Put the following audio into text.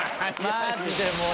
マジでもう。